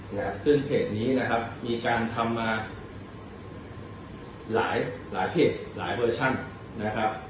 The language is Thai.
นะฮะซึ่งเพจนี้นะครับมีการทำมาหลายหลายเพจหลายเวอร์ชั่นนะครับ